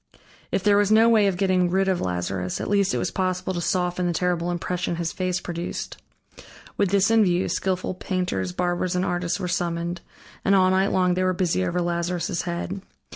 If there was no way of getting rid of Lazarus, at least it was possible to soften the terrible impression his face produced. With this in view, skillful painters, barbers, and artists were summoned, and all night long they were busy over Lazarus' head.